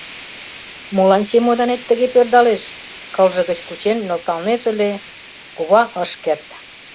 — Молан чемоданет тыге пӧрдалеш? — кылже гыч кучен, нӧлталнеже ыле — кува ыш керт.